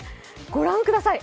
御覧ください